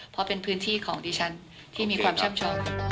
เพราะเป็นพื้นที่ของดิฉันที่มีความช่ำช้อง